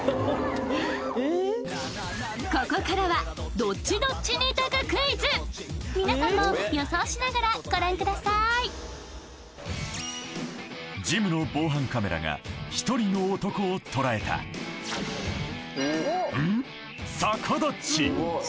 ここからはみなさんも予想しながらご覧くださいジムの防犯カメラが１人の男を捉えたうん？